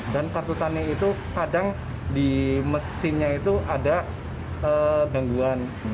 dan kartu tani itu kadang di mesinnya itu ada gangguan